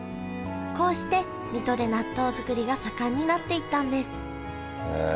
こうして水戸で納豆作りが盛んになっていったんですへえ。